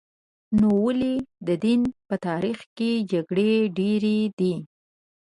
نو ولې د دین په تاریخ کې جګړې ډېرې دي؟